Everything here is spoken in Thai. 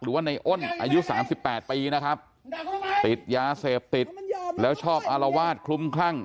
หรือว่าในอ้นอายุสามสิบแปดปีนะครับติดยาเสพติดแล้วชอบอารวาสคลุ้มคลั่ง